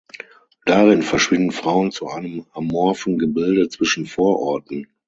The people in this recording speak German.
Darin verschwinden Frauen zu einem amorphen Gebilde zwischen Vororten.